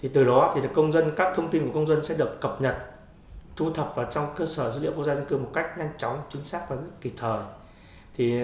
từ đó thì các thông tin của công dân sẽ được cập nhật thu thập vào trong cơ sở dữ liệu công gia dân kia một cách nhanh chóng chính xác và kịp thời